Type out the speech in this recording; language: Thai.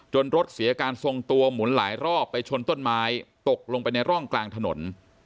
รถเสียการทรงตัวหมุนหลายรอบไปชนต้นไม้ตกลงไปในร่องกลางถนน